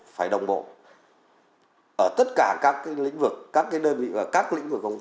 phải đồng bộ ở tất cả các lĩnh vực các đơn vị và các lĩnh vực công